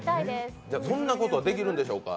そんなこと、できるんでしょうか。